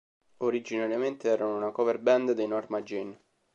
Originariamente erano una cover band dei Norma Jean.